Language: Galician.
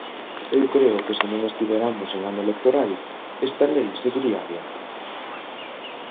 Eu creo que se non estiveramos en ano electoral, esta lei seguiría adiante.